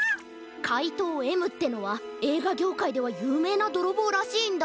かいとうＭってのはえいがぎょうかいではゆうめいなどろぼうらしいんだ。